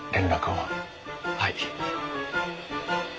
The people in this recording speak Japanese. はい。